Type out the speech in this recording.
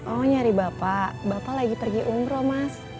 oh nyari bapak bapak lagi pergi umroh mas